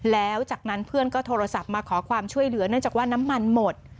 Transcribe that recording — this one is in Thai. แล้วจากนั้นเพื่อนก็โทรศัพท์มาขอความช่วยเหลือเนื่องจากว่าน้ำมันหมด